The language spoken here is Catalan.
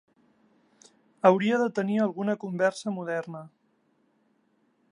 Hauria de tenir alguna conversa moderna.